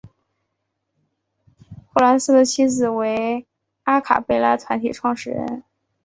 霍蓝斯的妻子为阿卡贝拉团体创始人。